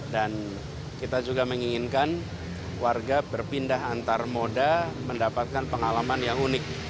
dan kita juga menginginkan warga berpindah antar moda mendapatkan pengalaman yang unik